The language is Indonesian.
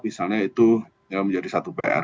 misalnya itu menjadi satu pr